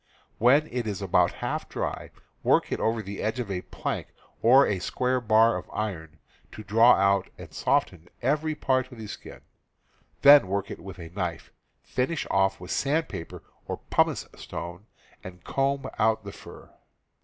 When it is about half dry, work it over the edge of a plank or a square bar of iron, to draw out and soften every part of the skin; then work it with a knife, finish off with sandpaper or pumice stone, and comb out the fur.